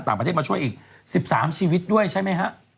ต่างประเทศมาช่วยอีก๑๓ชีวิตด้วยใช่ไหมฮะ